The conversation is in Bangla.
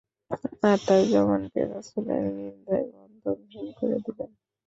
আর তার জবানকে রাসূলের নিন্দায় বন্ধনহীন করে দিলেন।